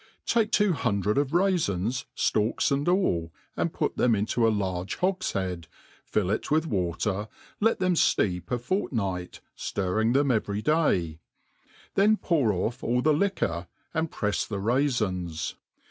Ir^AKE two hundred of raiiins, ftalks and all, and put them into a large hogfhead, fill it with water, let them fieep a fortnight, . (iirring ihem every day; then pour off aU the liquor^ and prefs the raifins.